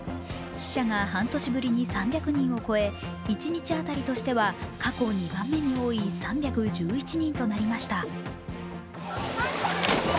死者が半年ぶりに３００人を超え、一日当たりとしては過去２番目に多い３１１人となりました。